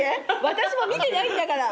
私も見てないんだから。